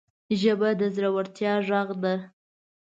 ژبه د زړورتیا غږ ده